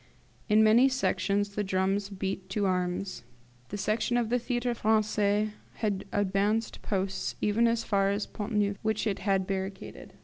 In many Sections the drums beat to arms; the Section of the Theatre Francais had advanced posts even as far as the Pont Neuf, which it had barricaded.